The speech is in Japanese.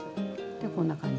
でこんな感じ。